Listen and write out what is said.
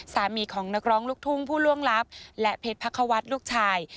สามีของนักร้องลูกทุ่งผู้ล่วงลับและเพชรพักควัฒน์ลูกชาย